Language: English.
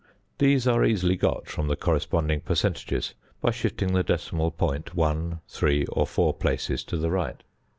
These are easily got from the corresponding percentages by shifting the decimal point one, three, or four places to the right.